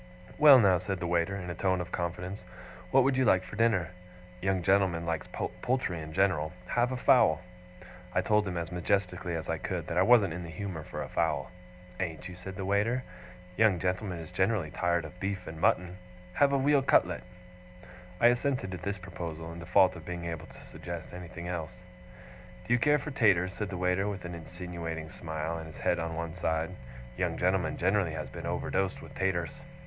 'Well now,' said the waiter, in a tone of confidence, 'what would you like for dinner? Young gentlemen likes poultry in general: have a fowl!' I told him, as majestically as I could, that I wasn't in the humour for a fowl. 'Ain't you?' said the waiter. 'Young gentlemen is generally tired of beef and mutton: have a weal cutlet!' I assented to this proposal, in default of being able to suggest anything else. 'Do you care for taters?' said the waiter, with an insinuating smile, and his head on one side. 'Young gentlemen generally has been overdosed with taters.